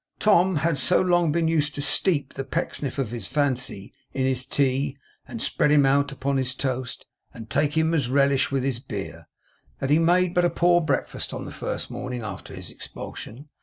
Tom had so long been used to steep the Pecksniff of his fancy in his tea, and spread him out upon his toast, and take him as a relish with his beer, that he made but a poor breakfast on the first morning after his expulsion.